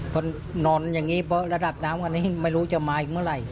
พอนอนอย่างนี้เพราะระดับน้ำวันนี้ไม่รู้จะมาอีกเมื่อไหร่